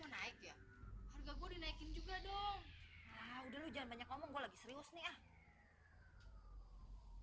mau naik ya harga gue dinaikin juga dong udah lu jangan banyak ngomong gue lagi serius nih